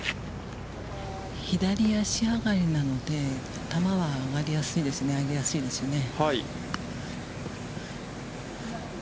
左足上がりなので、球は上がりやすいですね、上げやすいですね。